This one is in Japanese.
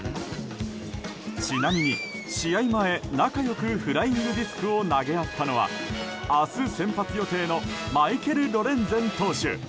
ちなみに、試合前仲良くフライングディスクを投げ合ったのは明日先発予定のマイケル・ロレンゼン投手。